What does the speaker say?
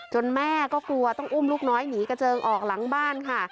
แม่ก็กลัวต้องอุ้มลูกน้อยหนีกระเจิงออกหลังบ้านค่ะ